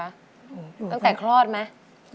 ตั้งแต่คลอดไหม